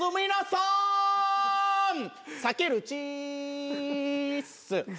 さけるちーっす！